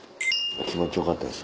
気持ちよかったです